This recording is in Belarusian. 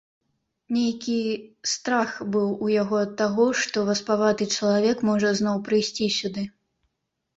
Нейкі страх быў у яго ад таго, што васпаваты чалавек можа зноў прыйсці сюды.